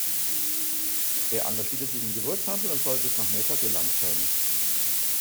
Er engagierte sich im Gewürzhandel und soll bis nach Mekka gelangt sein.